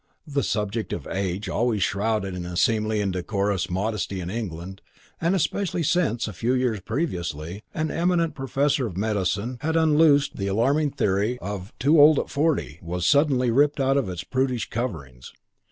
The subject of age, always shrouded in a seemly and decorous modesty in England, and especially since, a few years previously, an eminent professor of medicine had unloosed the alarming theory of "Too old at forty", was suddenly ripped out of its prudish coverings.